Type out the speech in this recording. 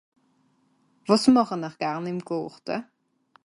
Wàs màche m'r garn ìm Gàrte?